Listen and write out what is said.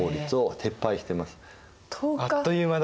あっという間だね！